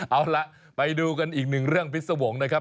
เอาล่ะไปดูกันอีกหนึ่งเรื่องพิษวงศ์นะครับ